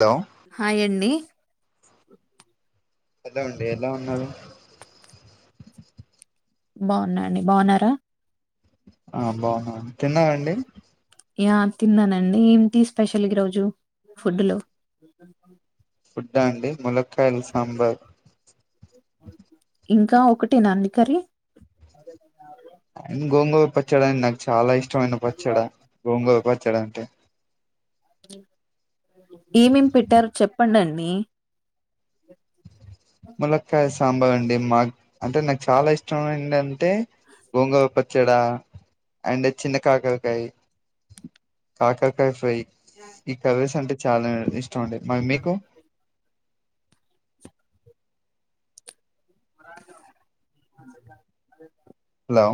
Hello hi అండి ఏదో అండి ఎలా ఉన్నారు. బాగున్నా అండి బాగున్నారా ఆ బాగున్న అండి తిన్నారా అండి యా తిన్నానండి ఏంటి స్పెషల్ ఈ రోజు ఫుడ్ లో ఫుడ్డా అండి ముల క్కాయల్ సాంబార్ ఇంకా ఒకటేనా అండి కర్రీ గోంగూర పచ్చడ అంటే నాక్ చాలా ఇష్టమైన పచ్చడ గోంగూర పచ్చడ అంటే హ ఏమేం పెట్టరో చెప్పండం డీ ములక్కాయ సాంబార్ అండి మాక్ అంటే నాక్ చాలా ఇష్టం ఏంటంటే గోంగూర పచ్చడ అండ్ చిన్న కాకరకాయ్ కాకరకాయ ఫ్రై ఈ కర్రీస్ అంటే చాలా ఇష్ మందు మరి మీకు మ అద హలో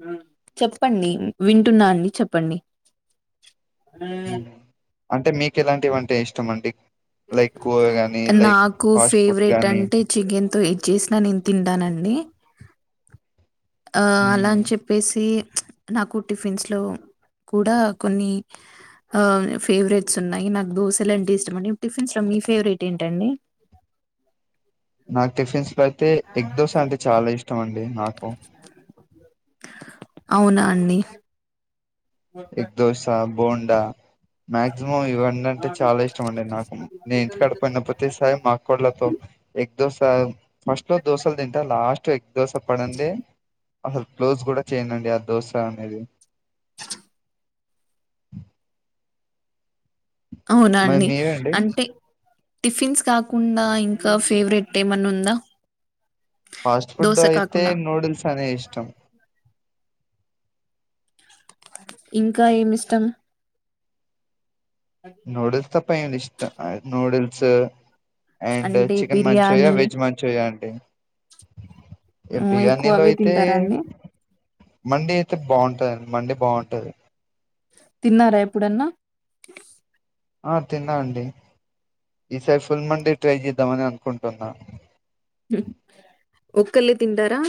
హ్ చెప్పండి వింటున్నాన్ అని చెప్పండి. మ్ అంటే మీకేలాంటివంటే ఇష్టం అండి లైక్ కూర గాని లైక్ నాకు ఫాస్ట్ ఫుడ్ ఫేవరెట్ గానీ అంటే చికెన్తో ఏద్ చేసినా నేన్ తింటానండి. ఆ అలా మ్మ్ అన్ చెప్పేసి నాకు టిఫిన్స్లో కూడా కొన్ని ఆ ఫేవరెట్స్ ఉన్నాయి. నాక్ దోశలంటే ఇష్టం అండి టిఫిన్స్లో మీ ఫేవరెట్ ఏంటండి నాక్ టిఫిన్స్లో అయితే ఎగ్ దోశ అంటే చాలా ఇష్ టమం డి నాకు అవునా అండి. ఎగ్ దోష బోండా మాక్సిమం ఇవన్నీ అంటే చాలా ఇష్టం అండి నాకు నే ఇంటికాడ పోయిన ప్రతిసారి మా అక్కోళ్ళతో ఎగ్ దోశ ఫస్ట్లో దోసల్ తింటా లాస్ట్ ఎ దోస పడందే అసలు క్లోజ్ కూడా చేయనండి ఆ దోశ అనేది అవునా మరి అండి మీరండి అంతే టిఫిన్స్ కాకుండా ఇంకా ఫేవరెట్ ఏమన్నా ఉందా ఫాస్ట్ ఫుడ్ దోస అయితే కాకుండా. నూడిల్స్ అనే ఇష్టం ఇంకా ఏమి ఇష్టం నూడిల్స్ తప్ పైడు ఇష్ట ఆ నూడిల్స్ అండ్ అంటే chicken Manchuria biryani veg Manchuria ఏ ఏ హ్మ్ ఎక్కువ బిర్యానీలో అవే అయితే తింటారా అండి? మండి అయితే బాగుంట మండి బాగుంటది తిన్నారా ఎప్పుడన్నా ఆ తిన్నా అండి ఈసారి ఫుల్ మండి ట్రై చేద్దామని అనుకుంటున్నా హ్మ్ ఒక్కలి తింటారా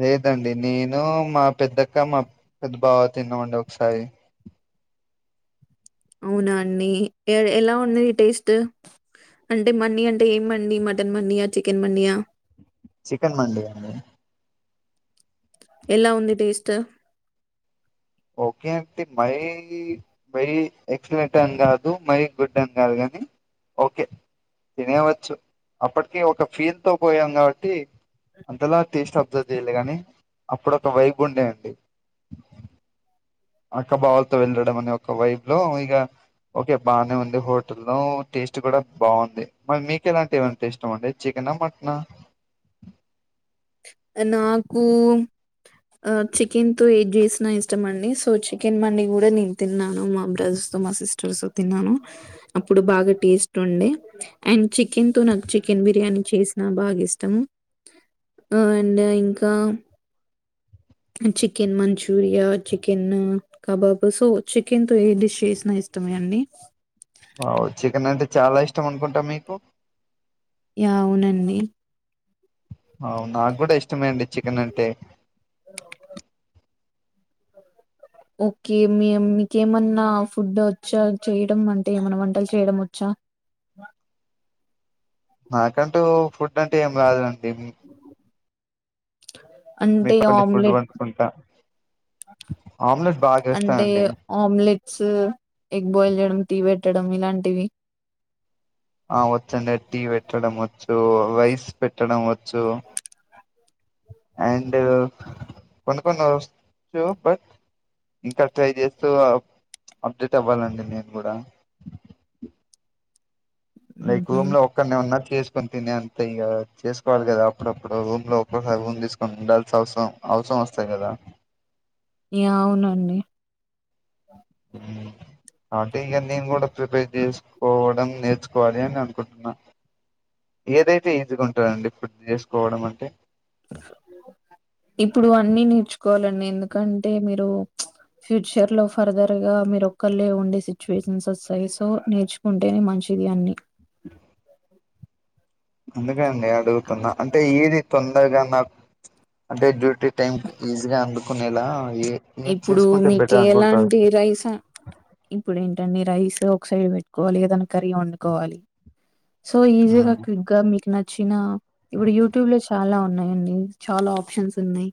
లేదండి నేను మా పెద్దక్క మా పెద్ద బావ తిన్నామండి ఒకసారి అవునా అండి ఎ ఎలా ఉంది టేస్టు అంటే మండి అంటే ఏం మండి మటన్ మండియా చికెన్ మండియా చికెన్ మండి అండి ఎలా ఉంది టెస్టు ఓకే అంటే మై మై ఎక్సలెంట్ అని కాదు మై గుడ్ అని కాదు కానీ ఓకే తినేవచ్చు అప్పటికి ఒక ఫీల్ తో బోయాం కాబట్టి అంతలా టేస్ట్ అబ్జర్వ్ చేయాలే కానీ అప్పుడు ఒక వైబ్ ఉండే అండి అక్కబావలతో వెళ్ళడం అనే ఒక వైబ్ లో ఇగ ఓకే బానే ఉంది హోటల్ లో టేస్ట్ కూడా బాగుంది మరి మీకెలాంటి అంటే ఇష్టం అండి చికెనా మటనా నాకు చికెన్ తో ఏద్ జేసినా ఇష్టం అండి సో చికెన్ మండి కూడా నేను తిన్నాను మా బ్రదర్స్ తో మా సిస్టర్స్ తో తిన్నాను అప్పుడు బాగా టేస్ట్ ఉండే అండ్ చికెన్ తో నాకు చికెన్ బిర్యానీ చేసినా బాగా ఇష్టం అండ్ ఇంకా chicken Manchuria chicken kebab so chicken తో ఏ డిష్ చేసినా ఇష్టమే అండి వావ్ చికెన్ అంటే చాలా ఇష్టం అనుకుంటా మీకు అవునండి అవు నాకు కూడా ఇష్టమే అండి చికెన్ అంటే ఓకే మీ మీకేమన్నా ఫుడ్ వచ్చా చేయడం అంటే ఏమన్నా వంటలు చేయడం వచ్చా నాకంటూ ఫుడ్ అంటే ఏమి రాదండి అంటే మీకు కొన్ని ఫుడ్ ఆమ్లెట్ వండుకుంటా ఆమ్లెట్ బాగా అంటే వేస్తానండి ఆమ్లెట్స్ ఎగ్ బాయిల్ చేయడం టి వెట్ పెట్టడం ఇలాంటివి ఆ వచ్చు అండి టీ పెట్టడం వచ్చు వైస్ పెట్ పెట్టడం వచ్చు అండ్ కొన్ని కొన్ని వచ్చు బట్ ఇంకా ట్రై చేస్తూ అప్డేట్ అవ్వాలండి నేను కూడా లైక్ ఊహూ రూమ్ లో ఒక్కడినే ఉన్న చేసుకొని తినే అంత ఇగా చేసుకోవాలి కదా అప్పుడప్పుడు రూమ్ లో ఒక్కసారి రూమ్ తీసుకొని ఉండాల్స అవసరం అవసరం వస్తాంది కదా ఈ అవునండి అటు ఇగ నేను కూడా ప్రిపేర్ చేసుకోవడం నేర్ చకోవాలి అని అనుకుంటున్నా ఏదైతే ఈజీగా ఉంటందండి ఫుడ్ చేసుకోవడం అంటే ఇప్పుడు అన్ని నేర్చుకోవాలండి ఎందుకంటే మీరు ఫ్యూచర్ లో ఫర్దర్ గా మీరు ఒక్కళ్ళ ఉండే సిచ్యువేషన్స్ వస్తాయి సో నేర్చుకుంటేనే మంచిది అన్ని అందుకండి అడుగుతున్నా అంటే ఏది తొందరగా నాక అంటే డ్యూటీ టైం ఈజీగా అందుకునేలా ఏ ఏది ఇప్పుడు చేసుకుంటే మీక బెటర్ అనుకుంటారు ఎలాంటి రైస్ ఇప్పుడు ఏంటండి రై స్ ఆక్సైడ్ పెట్టుకోవాలి ఏదైనా కర్రీ వండుకోవాలి సో ఈజీగా ఉమ్, క్విక్ గా మీకు న చ్చిన ఇప్పుడు యూట్యూబ్ లో చాలా ఉన్నాయండీ చాలా ఆప్షన్స్ ఉన్నాయి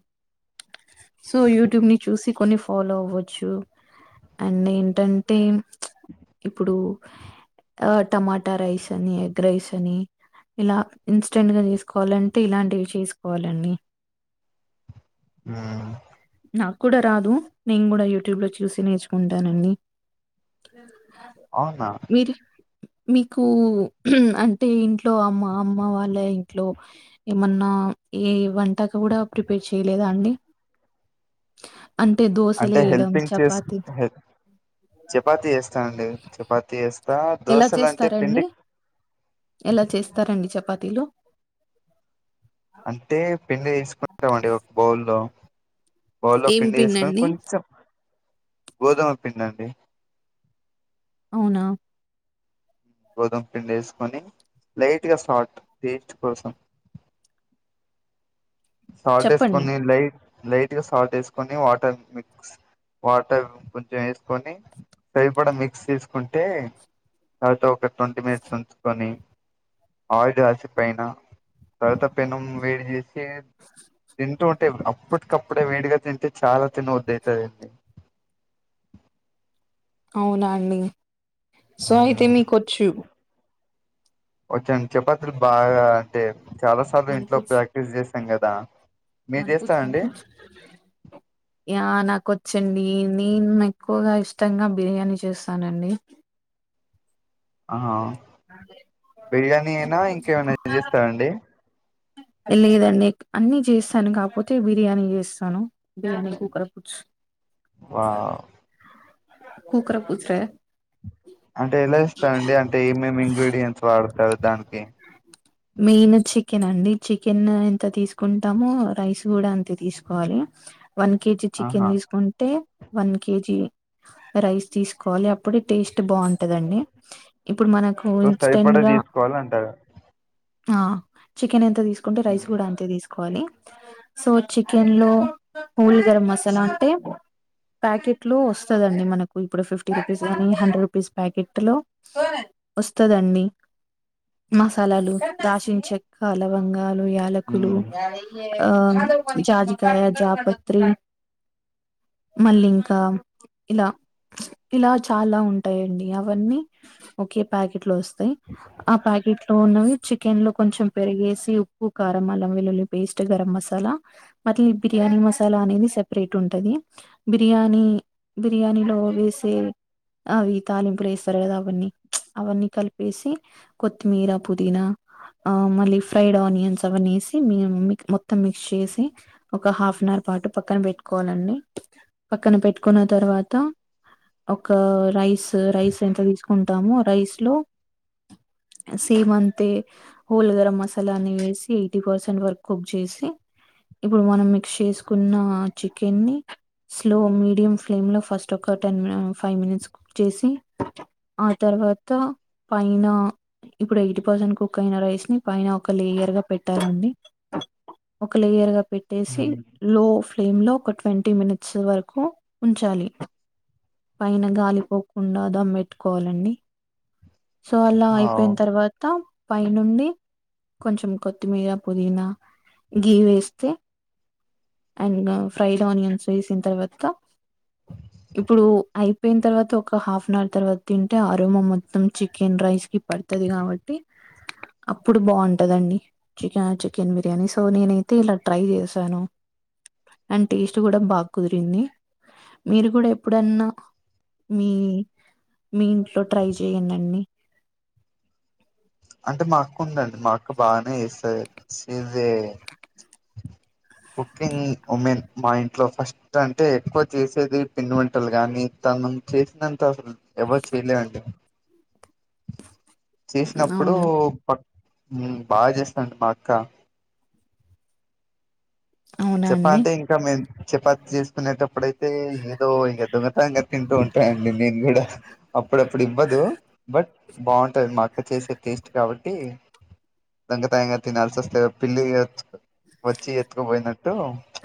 సో యూట్యూబ్ను చూసి కొన్ని ఫాలో అవ్వచ్చు అండ్ ఏంటంటే ఇప్పుడు ఆ టమాటా రైస్ అని ఎగ్ రైస్ అని ఇలా ఇన్స్టెంట్గా చేసుకోవాలంటే ఇలాంటివి చేసుకోవాలండి ఆ నాకు కూడా రాదు నేను కూడా యూట్యూబ్ లో చూసి నేర్చుకుంటానండి అవునా మీరు మీకు అంటే ఇంట్లో అమ్మ అమ్మ వాళ్ళ ఇంట్లో ఏమన్నా ఏ వంటక కూడా ప్రిపేర్ చేయలేదా అండి అంటే దోశలు అంటే వేయడం హెల్పింగ్ చేస్ చపాతి హే చపాతీ చేస్తానండి చపాతీ చేస్ ఎలా చేస్తారండి ఎలా చేస్తారండి చపా తిలు అంటే పిండి తిస్ ఉంటామండి ఒక బౌల్లో బౌల్లో ఏం పిండి చేసుకొని పిండండి కొంచెం గోధుమ పిండండి అవునా గోధుమ పిండి వేసుకొని లైట్ గా సాల్ట్ టేస్ట్ కోసం సాల్ట్ చెప్పండి ఎస్కొని లై లైట్ గా సాల్ట్ వేసుకొని వాటర్ మిక్స్ వాటర్ కొంచెం వేసుకొని సరిపడా మిక్స్ చేస్ ఉంటే తర్వాత ఒక ట్వంటీ మినిట్స్ ఉంచుకొని ఆడ్ రాసిపోయిన తర్వాత పెనుం వేడి చేసి తింటూ ఉంటే అప్పటికప్పుడే వేడిగా తింటే చాలా తినబుద్ధి అయ్తదండి అవునా అండి సో అయితే మీకు వచ్చు వచ్చేండి చపాతీలు బాగా అంటే చాలా సార్లు ఇంట్లో ప్రాక్టీస్ చేసి సంగదా మన్పుూజ మన్పుూ ఆ నాకు వ చెన్న న నీకు ఎక్కువగా ఇష్టంగా బిర్యానీ చేస్తానండి ఆహ బిర్యానీ అయినా ఇంకేమైనా చేస్తారండి లేదండి అన్ని చేస్తాను కాకపోతే బిర్యానీ చేస్తాను బిర్యానీ కుకర పచు వా కుకర పూస రే అంటే ఎలా ఇస్తాండి అంటే ఏమేమి ఇంగ్రీడియంట్స్ వాడతారు దానికి మెయిన్ చికెన్ అండి చికెన్ ఎంత తీసుకుంటామో రైస్ కూడా అంతే తీసుకోవాలి వన్ కేజీ చికెన్ ఆహా తీసుకుంటే వన్ కేజీ రైస్ తీసుకోవాలి అప్పుడే టేస్ట్ బాగుంటదండి ఇప్పుడు మనకు సో సరిపడా ఇన్స్టెంట్గా తీసుకోవాలంటారు ఆ చికెన్ ఎంత తీసు తీసుంటే రైస్ కూడా అంతే తీసుకు ాలి సో చికెన్ లో పూల్ గరం మసాలా అంటే ప్యాకెట్ లో వస్తుదండి మనకు ఇప్పుడు ఫిఫ్టీ రూపీస్ కానీ హండ్రెడ్ రూపీస్ ప్యాకెట్ లో వస్తుదండి మసాలాలు రాశించ చెక్క అలవంగ యాలకులు మ్మ్ ఆ జాజికయ జాపత్రి మళ్లింకా ఇలా ఇలా చాలా ఉంటాయండి అవన్నీ ఒకే ప్యాకెట్ లో వస్తా ఆ ప్యాకెట్ ఉన్నవి చికెన్లో కొంచెం పెరిగేసి ఉప్పు కారం అల్లం వెల్లుల్లి పేస్ట్ గరం మసాలా మరి ఈ బిర్యానీ మసాలా అనేది సపరేట్ ఉంటుంది బిర్యానీ బిర్యానీలో వేసే అవి తాలింపులు వేస్తారు కదా అవన్నీ అవన్నీ కలిపేసి కొత్తిమీర పుదీనా ఆ మళ్ళీ ఫ్రైడ్ ఆనియన్స్ అవన్నసి మత్త మిక్స్ చేసి ఒక హాఫ్ అన్ అవర్ పాటు పక్కన పెట్టుకోవాలండి పక్కన పెట్టుకున్న తర్వాత ఒక రైస్ రైస్ ఎంత తీసుకుంటామో రైస్ లో సేమ్ అంతే హోల్ గరం మసాలా వేసి ఎయిటీ పర్సెంట్ వరకు కుక్ చేసి ఇప్పుడు మనం మిక్స్ చేసుకున్న చికెన్ స్లో మీడియం ఫ్లేమ్ లో ఫస్ట్ ఒక టెన్ ఫైవ్ మినిట్స్ కుక్ చేసి ఆ తర్వాత పైన ఇప్పుడు ఎయిటీ పర్సెంట్ కుక్ రైస్ ని పైన ఒక లేయర్ గా పెట్టారండి ఒకలేయర్ గా పెట్టేసి మ్మ్ లో ఫ్లేమ్ లో ఒక ట్వంటీ మినిట్స్ వరకు ఉంచాలి పైన గాలిపోకుండా దమ్మెట్టుకోవాలండి సో అలా అవ్ అయిపోయిన తర్వాత పై నుండి కొంచెం కొత్తిమీర పుదీనా గీ వేస్తే అండ్ ఫ్రైడ్ ఆనియన్స్ వేసిన తర్వాత ఇప్పుడు అయిపోయిన తర్వాత ఒక హాఫ్ అన్ అవర్ తర్వాత తింటే అరుమ మొత్తం చికెన్ రైస్కి పడుతుంది కాబట్టి అప్పుడు బాగుంటుందండి చికెన్ చికెన్ బిర్యానీ సో నేనైతే ఇలా ట్రై చేశాను అండ్ టేస్ట్ కూడా బాగా కుదిరింది మీరు కూడా ఎప్పుడన్నా మీ మీ ఇంట్లో ట్రై చేయండిండి అంటే మా అక్క ఉందండి మా అక్క బాగానే వస్తారు ఇదే కుకింగ్ ఉమెన్ మా ఇంట్లో ఫస్ట్ అంటే ఎక్కువ చేసేది పిన్ని వంటలు గాని తను చేసినంత అసలు ఎవరు చేయలేదండి చేసినప్పుడు అవునా పక్క బాగా చేస్తాండి మా అక్క అవునా చెప్ప అండి అంటే ఇంకా మేం చపాతి చేసుకునేటప్పుడుయితే ఏదో దొంగతంగా తింటూ ఉంటాయండి నేను కూడా అప్పుడప్పుడు ఇవ్వదు బట్ బాగుంటాది మాకు పక్క చేసే టేస్ట్ కాబట్టి దంగతాయంగా తనల్ వస్త పిల్లి వచ్చి ఎత్కో పోయి అటు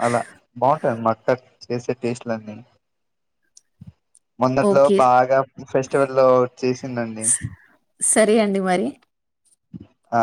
అలా బాగుంటాయి మా అక్క చేసే టేస్ట్ న్ని మొందట్లో ఓకే బాగా ఫెస్టివల్ లో చేసిందండి సరే అండి మరి ఆ